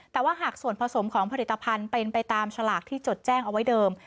แต่ว่าหากส่วนผสมของผลิตภัณฑ์เป็นไปตามฉลากที่จดแจ้งเอาไว้เดิม